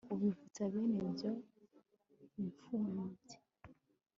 ubivutsa bene byo b'imfubyi